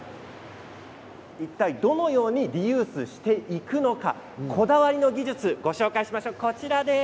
どのようにリユースしていくのかこだわりの技術をご紹介します。